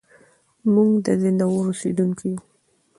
موږ د زينداور اوسېدونکي يو.